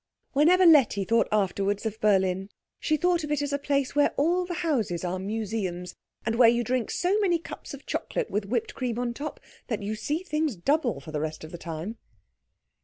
Whenever Letty thought afterwards of Berlin, she thought of it as a place where all the houses are museums, and where you drink so many cups of chocolate with whipped cream on the top that you see things double for the rest of the time.